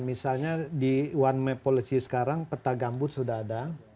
misalnya di one map policy sekarang peta gambut sudah ada